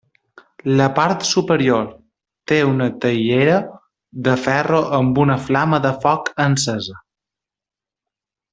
La part superior té una teiera de ferro amb una flama de foc encesa.